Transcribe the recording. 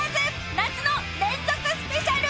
［夏の連続スペシャル！］